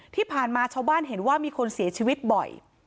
ที่ผ่านมาชาวบ้านเห็นว่ามีคนเสียชีวิตบ่อย